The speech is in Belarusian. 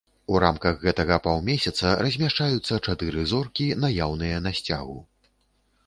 У рамках гэтага паўмесяца размяшчаюцца чатыры зоркі, наяўныя на сцягу.